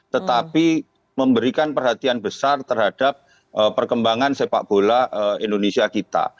tetapi memberikan perhatian besar terhadap perkembangan sepak bola indonesia kita